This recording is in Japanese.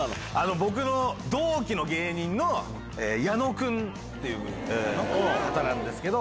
僕の同期の芸人の矢野君っていう方なんですけど。